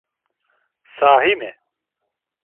Sahi mi?